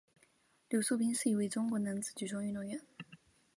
刘寿斌是一名中国男子举重运动员。